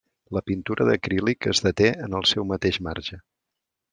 La pintura d'acrílic es deté en el seu mateix marge.